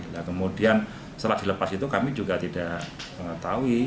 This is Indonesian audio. nah kemudian setelah dilepas itu kami juga tidak mengetahui